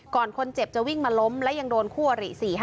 ก่อนคนเจ็บจะวิ่งมาล้มและยังโดนคั่วหลี